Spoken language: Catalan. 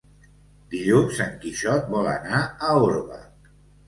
Dilluns en Quixot vol anar a Orba.